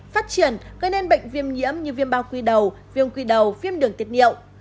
phát triển gây nên bệnh viêm nhiễm như viêm bao quy đầu viêm quy đầu viêm đường tiết niệu